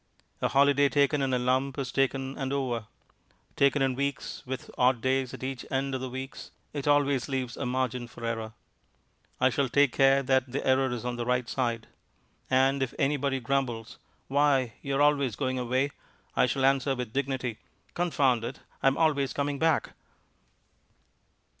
A holiday taken in a lump is taken and over. Taken in weeks, with odd days at each end of the weeks, it always leaves a margin for error. I shall take care that the error is on the right side. And if anybody grumbles, "Why, you're always going away," I shall answer with dignity, "Confound it! I'm always coming back."